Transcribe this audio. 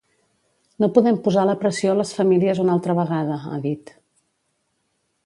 No podem posar la pressió a les famílies una altra vegada, ha dit.